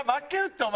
お前。